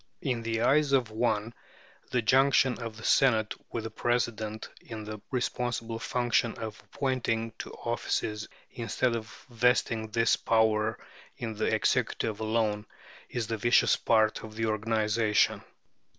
In the eyes of one the junction of the Senate with the President in the responsible function of appointing to offices, instead of vesting this power in the executive alone, is the vicious part of the organization.